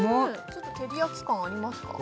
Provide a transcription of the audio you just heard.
ちょっと照り焼き感ありますか？